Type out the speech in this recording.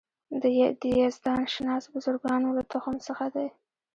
د یزدان شناس بزرګانو له تخم څخه دی.